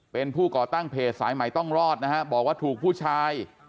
เป็นผู้ก่อตั้งเพจสายใหม่ต้องรอดนะฮะบอกว่าถูกผู้ชาย